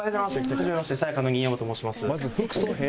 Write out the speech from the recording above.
はじめましてさや香の新山と申します。